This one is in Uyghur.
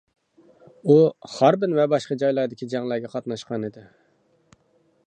ئۇ، خاربىن ۋە باشقا جايلاردىكى جەڭلەرگە قاتناشقان ئىدى.